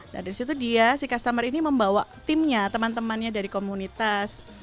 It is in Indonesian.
nah dari situ dia si customer ini membawa timnya teman temannya dari komunitas